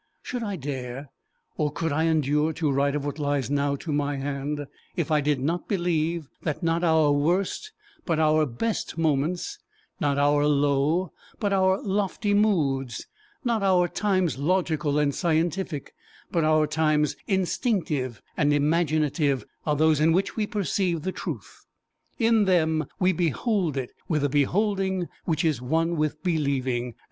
Should I dare, or could I endure to write of what lies now to my hand, if I did not believe that not our worst but our best moments, not our low but our lofty moods, not our times logical and scientific, but our times instinctive and imaginative, are those in which we perceive the truth! In them we behold it with a beholding which is one with believing.